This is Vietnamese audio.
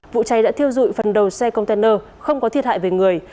vụ cháy đã thiêu dụi phần đầu xe container không có thiệt hại về người